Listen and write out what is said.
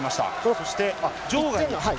そして場外に。